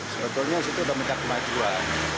sebetulnya itu sudah mencapai kemajuan